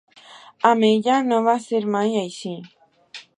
Amb ella no va ser mai així.